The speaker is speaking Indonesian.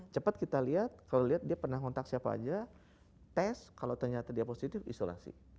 cepat kita lihat kalau lihat dia pernah ngontak siapa aja tes kalau ternyata dia positif isolasi